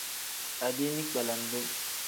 Adiini kpelendu.